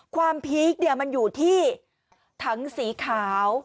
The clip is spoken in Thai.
ความพีคเนี่ยมันอยู่ที่ทั้งสีขาว